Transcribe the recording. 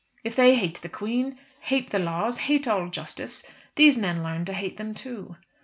If they hate the Queen, hate the laws, hate all justice, these men learn to hate them too.